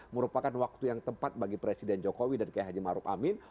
merupakan waktu yang tepat bagi presiden jokowi dan kehaji maruk amin